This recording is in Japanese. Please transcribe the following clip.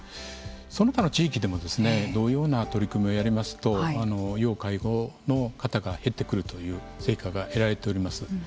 その他の地域でも同様な取り組みをやりますと要介護の方が減ってくるという成果が得られております。